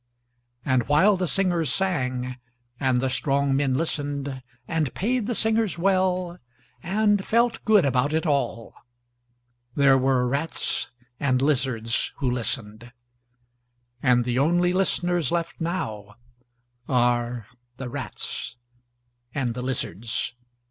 And while the singers sangand the strong men listenedand paid the singers welland felt good about it all, there were rats and lizards who listened… and the only listeners left now… are … the rats … and the lizards.